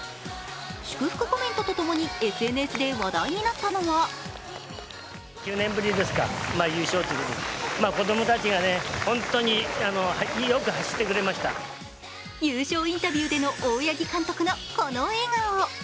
祝福コメントと共にＳＮＳで話題になったのが優勝インタビューでの大八木監督のこの笑顔。